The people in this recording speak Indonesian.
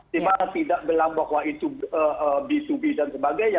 dimana tidak bilang bahwa itu bisubi dan sebagainya